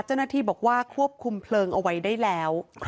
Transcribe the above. เจ้าหน้าที่บอกว่าควบคุมเพลิงเอาไว้ได้แล้ว